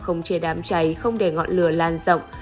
không chế đám cháy không để ngọn lửa lan rộng